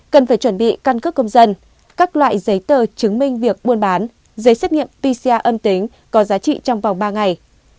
cần phải chuẩn bị căn cước công dân các loại giấy tờ chứng minh việc buôn bán giấy xét nghiệm pcr âm tính có giá trị trong vòng ba ngày